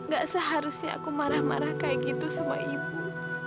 gak seharusnya aku marah marah kayak gitu sama ibu